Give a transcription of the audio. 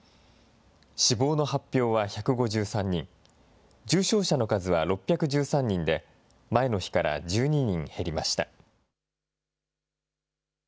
死亡の発表は１５３人、重症者の数は６１３人で、前の日から１２人減りました。